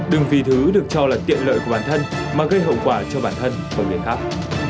đừng vì thứ được cho là tiện lợi của bản thân mà gây hậu quả cho bản thân và người khác